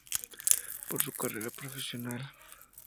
Por su carrera profesional.